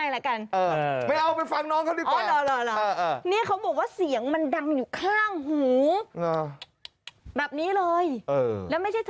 แล้วก็วิ่งลงมานะคะ